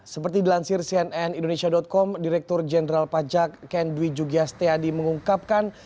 seperti dilansir cnn indonesia com direktur jenderal pajak ken dwi jugias teadi mengungkapkan